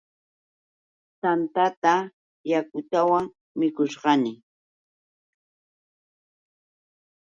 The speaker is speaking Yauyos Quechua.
Tantata yakutawan mikushaqmi.